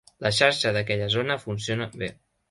La xarxa d'aquella zona funciona bé.